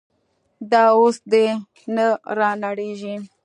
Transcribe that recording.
دا اوس دې نه رانړېږي.